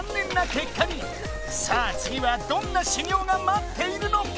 さあつぎはどんな修行がまっているのか！